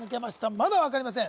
まだ分かりません